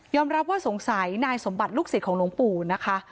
รับว่าสงสัยนายสมบัติลูกศิษย์ของหลวงปู่นะคะ